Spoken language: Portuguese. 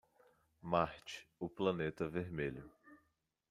Marte, o Planeta Vermelho.